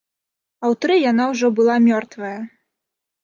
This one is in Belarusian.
А ў тры яна ўжо была мёртвая!